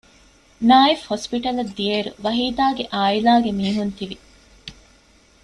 ނާއިފް ހޮސްޕިޓަލަށް ދިޔައިރު ވަހީދާގެ އާއިލާގެ މީހުން ތިވި